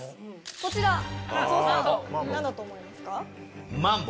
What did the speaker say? こちら松尾さん何だと思いますか？